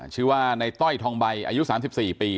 ชื่อว่าในต้อยทองใบอายุ๓๔ปี